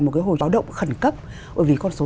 một cái hồi đó động khẩn cấp vì con số